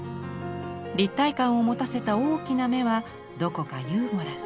立体感をもたせた大きな目はどこかユーモラス。